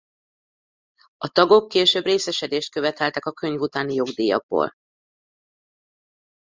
A tagok később részesedést követeltek a könyv utáni jogdíjakból.